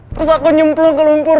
terus aku nyemplung ke lumpur